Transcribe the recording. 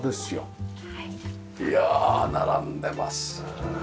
いや並んでます。